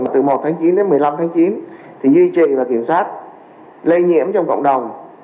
từ một tháng chín đến một mươi năm tháng chín thì duy trì và kiểm soát lây nhiễm trong cộng đồng